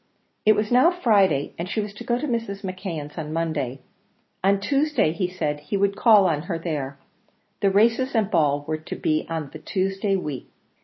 It was now Friday, and she was to go to Mrs. McKeon's on Monday; on Tuesday he said he would call on her there; the races and ball were to be on the Tuesday week.